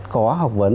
có học vấn